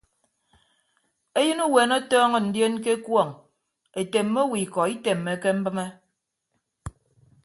Eyịn uweene ọtọọñọ ndioon ke ekuọñ etemme owo ikọ itemmeke mbịme.